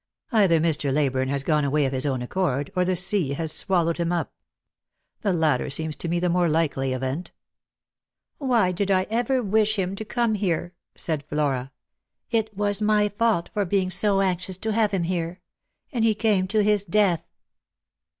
Either Mr. Leyburne has gone away of his own accord, or the sea has swallowed him up. The latter seems to me the more likely event." " Why did I ever wish him to come here !" said Flora. " It was my fault for being so anxious to have him here. And he came to his death